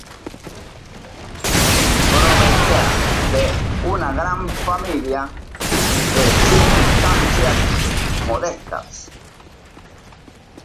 Provenía de una gran familia de circunstancias modestas.